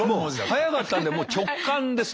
早かったんで直感ですね。